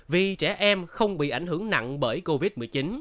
vì trẻ em không bị ảnh hưởng nặng bởi covid một mươi chín